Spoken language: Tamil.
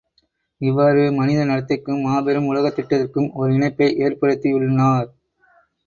இவ்வாறு, மனித நடத்தைக்கும், மாபெரும் உலகத் திட்டத்திற்கும் ஓர் இணைப்பை ஏற்படுத்தியுள்னார்.